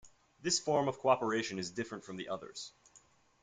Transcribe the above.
This form of cooperation is different from the others.